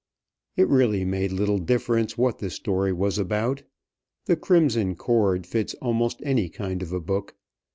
It really made little difference what the story was about. "The Crimson Cord" fits almost any kind of a book.